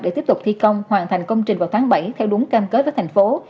để tiếp tục thi công hoàn thành công trình vào tháng bảy theo đúng cam kết với thành phố